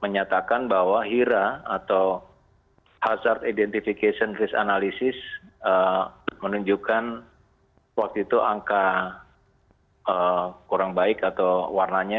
menyatakan bahwa hira atau hazard identification risk analysis menunjukkan waktu itu angka kurang baik atau warnanya